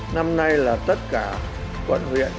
năm nay là tất cả quân huyện